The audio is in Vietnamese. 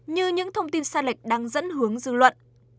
như những thông tin sai lệch đang dẫn hướng dư luận